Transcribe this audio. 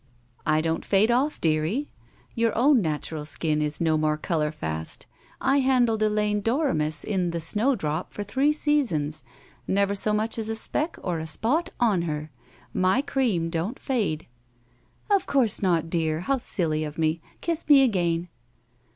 "I don't fade off, dearie. Your own natural skin is no more color*fast. I handled Elaine Doremus in *The Snowdrop' for three seasons. Never so much as a speck or a spot on her. My cream don't fade." Of course not, dear! How silly of me! Kiss i^e again."